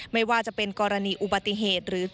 ไม่ว่าจะเป็นกรณีอุบัติเหตุหรือ